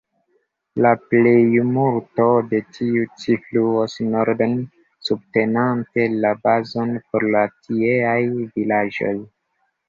La plejmulto de tiu ĉi fluas norden, subtenante la bazon por la tieaj vilaĝoj.